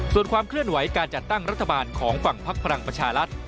ส่วนความเคลื่อนไหวการจัดตั้งรัฐบาลของฝั่งพักพลังประชารัฐ